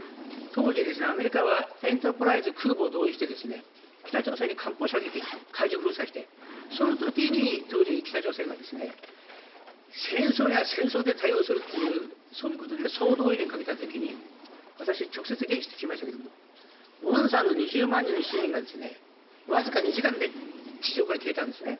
当時、アメリカは「エンタープライズ」の空母を動員して北朝鮮に海上封鎖してその時に当時の北朝鮮が戦争には戦争で対応するというそういうことで総動員令をかけた時に私は直接聞いてきましたが元山の２０万人の市民がわずか２時間で地上から消えたんですね。